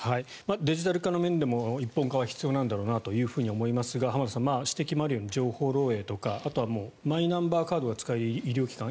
デジタル化の面でも一本化は必要なんだろうなと思いますが浜田さん、指摘にもあるように情報漏えいとかあとはマイナンバーカードが使える医療機関